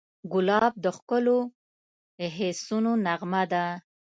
ګلاب د ښکلو حسونو نغمه ده.